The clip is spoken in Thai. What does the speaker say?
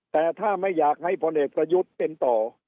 แต่ถ้าไม่อยากให้พลเอกประยุทธ์เป็นต่อ